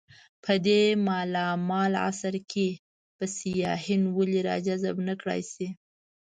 په دې مالامال عصر کې به سیاحین ولې راجذب نه کړای شي.